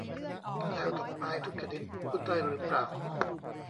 แล้วดอกไม้ทุกชนิดพูดได้หรือเปล่า ?